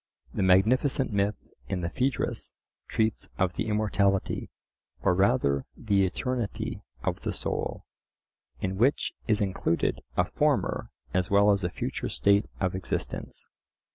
The magnificent myth in the Phaedrus treats of the immortality, or rather the eternity of the soul, in which is included a former as well as a future state of existence.